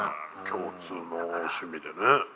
共通の趣味でね。